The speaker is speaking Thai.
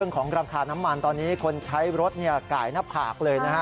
ของราคาน้ำมันตอนนี้คนใช้รถไก่หน้าผากเลยนะฮะ